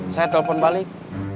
saya telepon balik